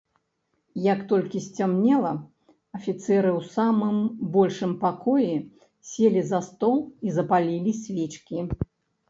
Як толькі сцямнела, афіцэры ў самым большым пакоі селі за стол і запалілі свечкі.